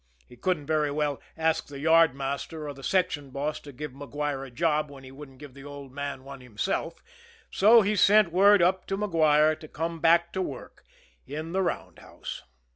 He couldn't very well ask the yardmaster or the section boss to give Maguire a job when he wouldn't give the old man one himself, so he sent word up to Maguire to come back to work in the roundhouse.